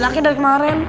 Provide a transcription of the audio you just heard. bilangnya dari kemarin